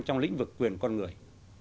trong lĩnh vực quyền con người